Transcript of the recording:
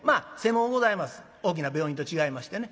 大きな病院と違いましてね。